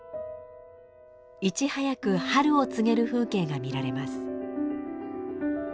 いち早く春を告げる風景が見られます。